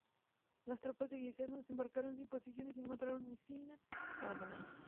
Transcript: Las tropas de Guiscardo desembarcaron sin oposición y se encontraron Mesina abandonada.